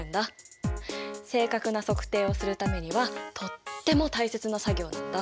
正確な測定をするためにはとっても大切な作業なんだ。